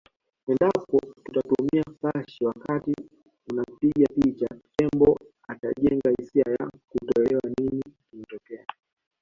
Endapo utatumia flash wakati unampiga picha tembo atajenga hisia ya kutoelewa nini kimetokea